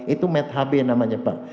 itu meth hb namanya pak